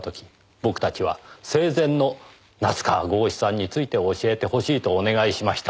僕たちは生前の夏河郷士さんについて教えてほしいとお願いしました。